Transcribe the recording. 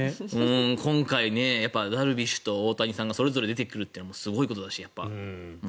今回、ダルビッシュと大谷さんがそれぞれ出てくるというのはすごいことだし。